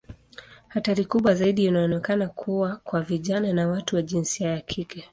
Hatari kubwa zaidi inaonekana kuwa kwa vijana na watu wa jinsia ya kike.